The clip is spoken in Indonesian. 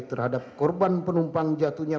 terhadap korban penumpang jatuhnya